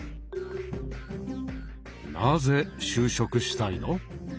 なぜ就職したいの？